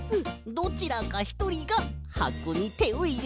どちらかひとりがはこにてをいれるよ。